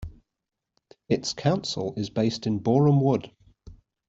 Its council is based in Borehamwood.